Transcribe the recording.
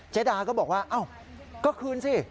เจดาก็บอกว่าก็คืนสิ